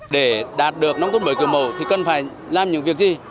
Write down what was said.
để đạt được nông thôn mới kiểu mẫu thì cần phải làm những việc gì